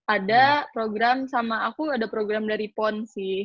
ada program sama aku ada program dari pon sih